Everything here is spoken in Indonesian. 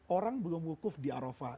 orang belum wukuf di arafah